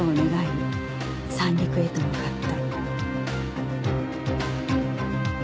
三陸へと向かった